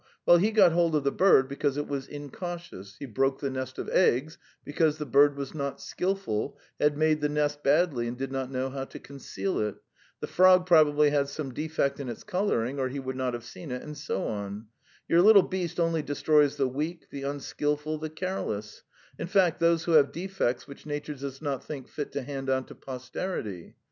Well, he got hold of the bird because it was incautious; he broke the nest of eggs because the bird was not skilful, had made the nest badly and did not know how to conceal it. The frog probably had some defect in its colouring or he would not have seen it, and so on. Your little beast only destroys the weak, the unskilful, the careless in fact, those who have defects which nature does not think fit to hand on to posterity.